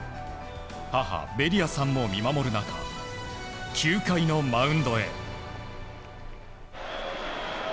母・べリアさんも見守る中９回のマウンドへ。